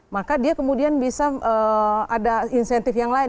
maka dia kemudian bisa ada insentif yang lain